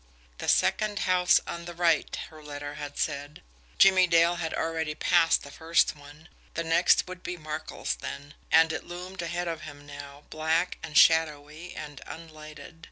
"The second house on the right," her letter had said. Jimmie Dale had already passed the first one the next would be Markel's then and it loomed ahead of him now, black and shadowy and unlighted.